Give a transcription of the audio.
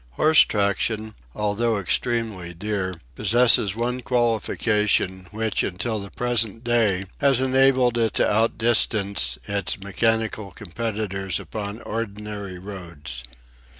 Horse traction, although extremely dear, possesses one qualification which until the present day has enabled it to outdistance its mechanical competitors upon ordinary roads.